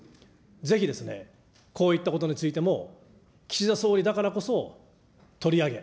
ぜひですね、こういったことについても岸田総理だからこそ、取り上げ、